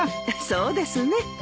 そうですね。